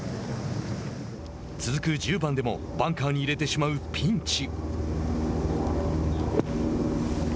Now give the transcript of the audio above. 続く１０番でもバンカーに入れてしまうピンチ。